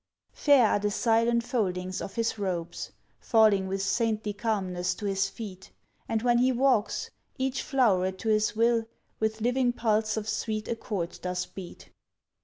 Fair are the silent foldings of his robes, Falling with saintly calmness to his feet; And when he walks, each floweret to his will With living pulse of sweet accord doth beat.